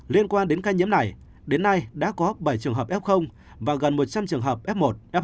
liên quan đến ca nhiễm này đến nay đã có bảy trường hợp f và gần một trăm linh trường hợp f một f một